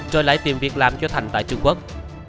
rồi lại tìm việc làm cho thành tại trung quốc